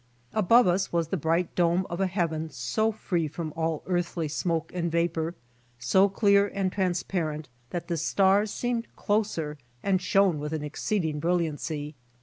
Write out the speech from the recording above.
Above us was the bright dome lof a heaven so free from all earthly smoke and vapor, so clear and trans parent, that the stars seemed closer and shone with an exceeding brilliancy.